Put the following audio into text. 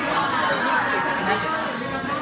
อยู่นาน